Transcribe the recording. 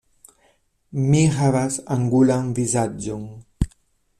Mi havas angulan vizaĝon.